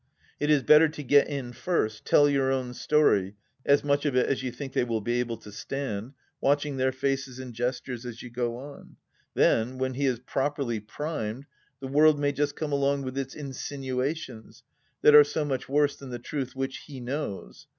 It is better to get in first, tell your own story — as much of it as you think they will be able to stand — ^watching their faces and gestures as you go on. ... Then when he is properly primed, the world may just come along with its insinuations, that are so much worse than the truth which he knows.